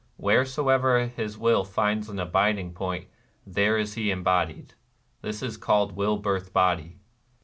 Wheresoever his will finds an abiding point, there is he embodied : this is called Will Birth Body.